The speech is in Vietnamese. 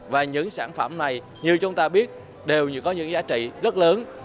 và những sản phẩm này như chúng ta biết đều có những giá trị rất lớn